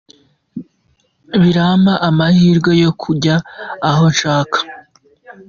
Birampa amahirwe yo kujya aho nshaka.